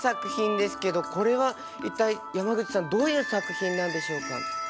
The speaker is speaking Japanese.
これは一体山口さんどういう作品なんでしょうか？